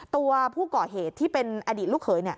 ตัวผู้ก่อเหตุที่เป็นอดีตลูกเขย